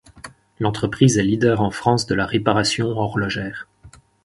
L’entreprise est leader en France de la réparation horlogère.